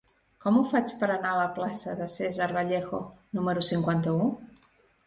Com ho faig per anar a la plaça de César Vallejo número cinquanta-u?